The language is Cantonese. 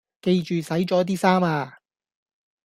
記住洗咗啲衫呀